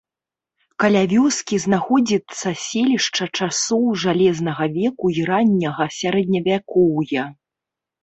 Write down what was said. Каля вёскі знаходзіцца селішча часоў жалезнага веку і ранняга сярэдневякоўя.